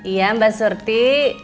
iya mbak surti